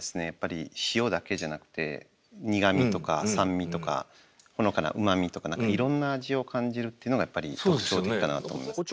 やっぱり塩だけじゃなくて苦味とか酸味とかほのかなうま味とかいろんな味を感じるっていうのがやっぱり特徴的だなと思います。